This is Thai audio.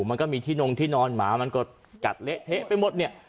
มันก็มีที่นงที่นอนหมามันก็กัดเละเทะไปหมดเนี่ย